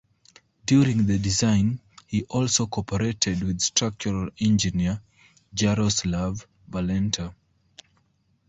During the design he also cooperated with structural engineer Jaroslav Valenta.